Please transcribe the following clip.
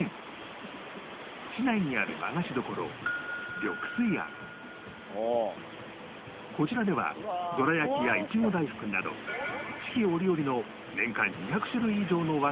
市内にあるこちらではどら焼きやいちご大福など四季折々の年間２００種類以上の和菓子を販売